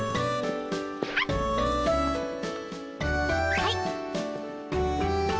はい。